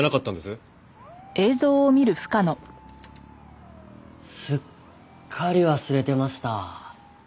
すっかり忘れてました。